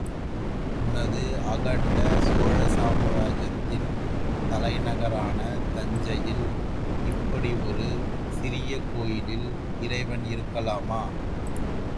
உனது அகண்ட சோழ சாம்ராஜ்யத்தின் தலைநகரான தஞ்சையில் இப்படி ஒரு சிறிய கோயிலில் இறைவன் இருக்கலாமா?